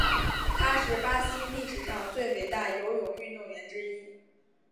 他是巴西历史上最伟大游泳运动员之一。